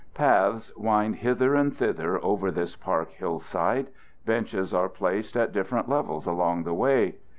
Paths wind hither and thither over this park hillside. Benches are placed at different levels along the way.